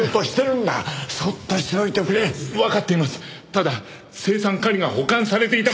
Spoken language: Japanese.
ただ青酸カリが保管されていた場所を。